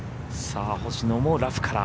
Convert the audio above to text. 星野もラフから。